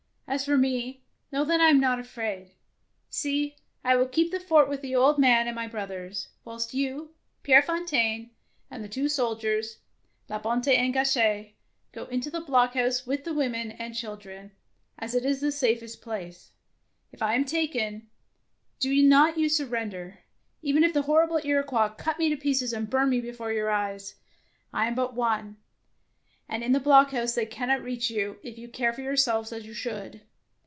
As for me, know that I am not afraid. See, I will keep the fort with the old man and my brothers, whilst you, Pierre Fontaine, and the two sol diers, La Bonte and Gachet, go into the blockhouse with the women and children, as it is the safest place. If I am taken, do not you surrender, even if the horrible Iroquois cut me to pieces and burn me before your eyes. I am but one, and in the block house they cannot reach you if you care for yourselves as you should.